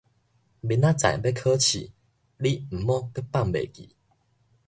明仔載欲考試，你毋好閣放袂記